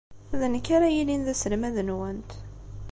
D nekk ara yilin d aselmad-nwent.